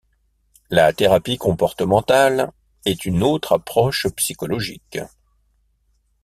La thérapie comportementale est une autre approche psychologique.